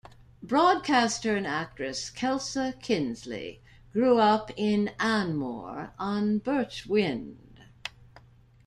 Broadcaster and actress Kelsa Kinsly grew up in Anmore on Birch Wynd.